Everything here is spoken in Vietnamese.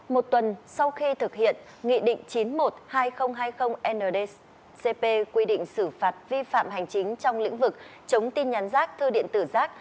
một tuần sau khi thực hiện nghị định chín mươi một hai nghìn hai mươi ndcp quy định xử phạt vi phạm hành chính trong lĩnh vực chống tin nhắn rác thư điện tử rác